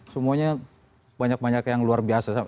semuanya banyak banyak yang luar biasa